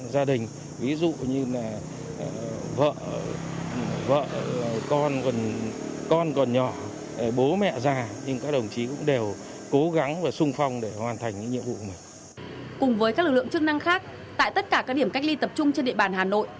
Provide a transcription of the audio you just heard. cùng với các lực lượng chức năng khác tại tất cả các điểm cách ly tập trung trên địa bàn hà nội